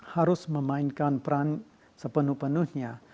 harus memainkan peran sepenuh penuhnya